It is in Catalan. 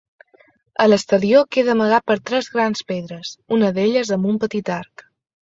A l'exterior queda amagat per tres grans pedres, una d'elles amb un petit arc.